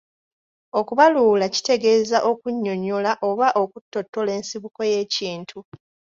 Okubaluula kitegeeza okunnyonnyola oba okutottola ensibuko y’ekintu.